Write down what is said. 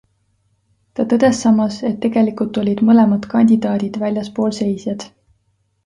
Ta tõdes samas, et tegelikult olid mõlemad kandidaadid väljaspoolseisjad.